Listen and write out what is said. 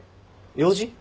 用事？